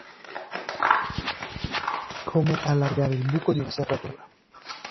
Come allargare il buco di una serratura.